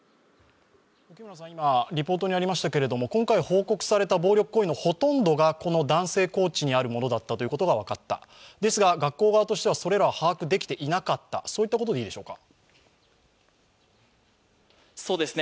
今リポートにありましたけど、今回報告されたもののほとんどがこの男性コーチにあるものだったということが分かった、ですが、学校側としてはそれらを把握していなかったそういうことでよろしいでしょうか。